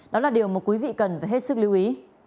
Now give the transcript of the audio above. đó là điều mà quý vị cần phải hết sức lưu ý